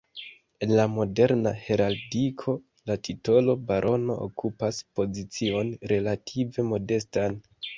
En la moderna heraldiko, la titolo “barono” okupas pozicion relative modestan.